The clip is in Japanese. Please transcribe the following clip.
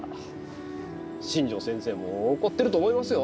新城先生も怒ってると思いますよ？